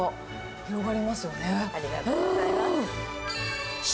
ありがとうございます。